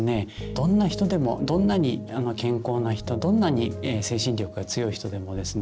どんな人でもどんなに健康な人どんなに精神力が強い人でもですね